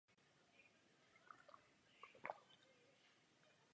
A pak ještě říkáš, že jsem krásná!